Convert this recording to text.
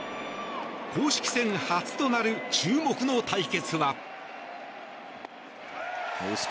公式戦初となる注目の対戦は。